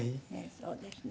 そうですね。